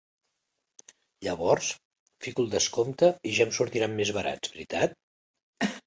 Llavors, fico el descompte i ja em sortiran més barats, veritat?